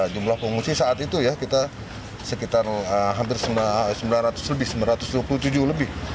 jumlah pengungsi saat itu ya kita sekitar hampir sembilan ratus lebih sembilan ratus dua puluh tujuh lebih